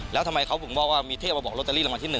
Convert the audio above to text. แล้วทำไมเขาถึงบอกว่ามีเทพมาบอกโรตเตอรี่รางวัลที่๑